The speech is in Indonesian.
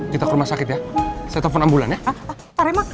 pak remak pak pak gak usah pak